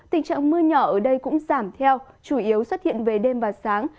tình trạng mưa nhỏ ở đây cũng giảm theo chủ yếu xuất hiện về đêm và sáng